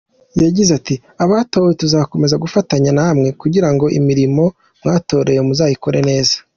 Yagize ati “ Abatowe tuzakomeza gufatanya namwe kugira ngo imirimo mwatorewe muzayikore neza.